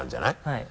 はい。